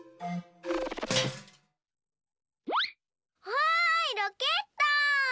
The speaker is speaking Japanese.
はいロケット！